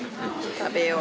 食べよう。